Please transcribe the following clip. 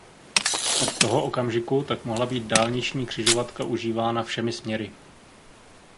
Od toho okamžiku tak mohla být dálniční křižovatka užívána všemi směry.